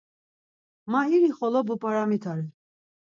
Ma iri-xolo bup̌aramitare.